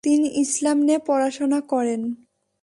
তিনি ইসলাম নিয়ে পড়াশোনা করেন।